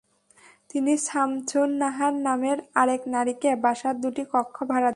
তিনি শামসুন নাহার নামের আরেক নারীকে বাসার দুটি কক্ষ ভাড়া দেন।